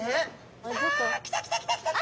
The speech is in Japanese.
あ来た来た来た来た！